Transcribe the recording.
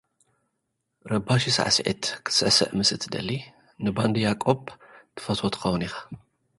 ረባሺ ሳዕስዒት ክትስዕስዕ ምስእትደሊ፡ ንባንዲ ያዕቆብ ትፈትዎ ትኸውን ኢኻ።